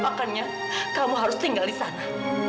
makanya kamu harus tinggal di sana